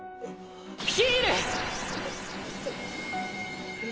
ヒール！